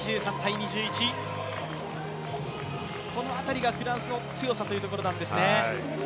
この辺りがフランスの強さというところなんですね。